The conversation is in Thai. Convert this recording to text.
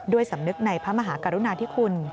ด้วยสำนึกในพระมหากรุณาที่คุณ